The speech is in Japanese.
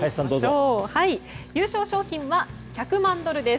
優勝賞金は１００万ドルです。